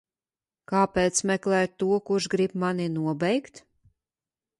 Kāpēc meklēt to, kurš grib mani nobeigt?